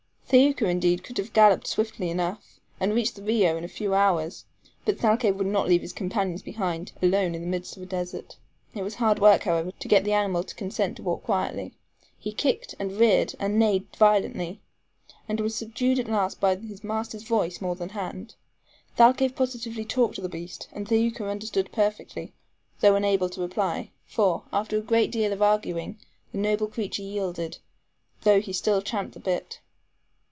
Thaouka, indeed, could have galloped swiftly enough, and reached the RIO in a few hours, but Thalcave would not leave his companions behind, alone in the midst of a desert. It was hard work, however, to get the animal to consent to walk quietly. He kicked, and reared, and neighed violently, and was subdued at last more by his master's voice than hand. Thalcave positively talked to the beast, and Thaouka understood perfectly, though unable to reply, for, after a great deal of arguing, the noble creature yielded, though he still champed the bit.